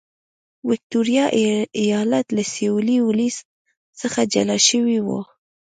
ویکټوریا ایالت له سوېلي ویلز څخه جلا شوی و.